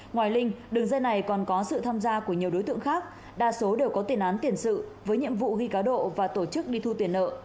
ngoài linh đường dây này còn có sự tham gia của nhiều đối tượng khác đa số đều có tiền án tiền sự với nhiệm vụ ghi cá độ và tổ chức đi thu tiền nợ